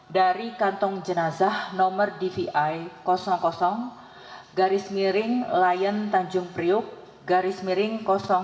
dari kantong jenazah nomor dvi garis miring layan tanjung priuk garis miring satu ratus enam